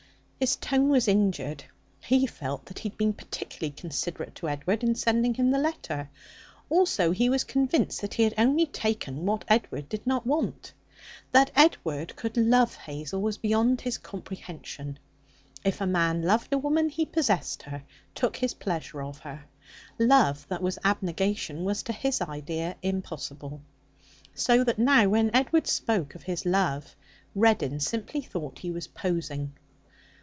His tone was injured. He felt that he had been particularly considerate to Edward in sending him the letter. Also, he was convinced that he had only taken what Edward did not want. That Edward could love Hazel was beyond his comprehension. If a man loved a woman, he possessed her, took his pleasure of her. Love that was abnegation was to his idea impossible. So that, now, when Edward spoke of his love, Reddin simply thought he was posing.